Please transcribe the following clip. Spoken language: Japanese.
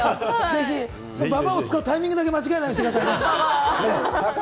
ぜひ、ばばあを使うタイミングだけ間違えないでくださいね。